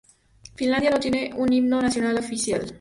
Finlandia no tiene un himno nacional oficial.